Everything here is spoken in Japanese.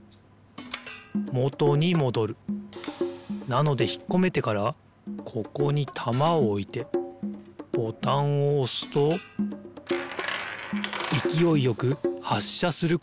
なのでひっこめてからここにたまをおいてボタンをおすといきおいよくはっしゃすることができる。